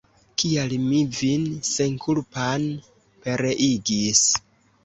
Kial mi vin senkulpan pereigis!